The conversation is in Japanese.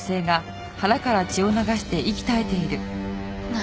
何？